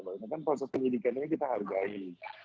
karena kan proses penyidikannya kita hargai